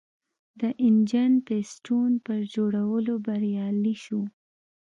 د انجن پېسټون پر جوړولو بریالی شو.